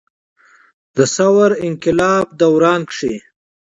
د ثور انقلاب دوران کښې